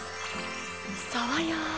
さわや。